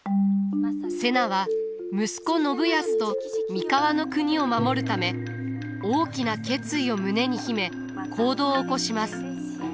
瀬名は息子信康と三河国を守るため大きな決意を胸に秘め行動を起こします。